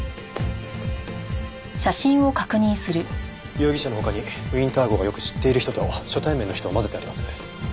容疑者の他にウィンター号がよく知っている人と初対面の人を交ぜてあります。